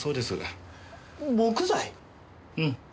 うん。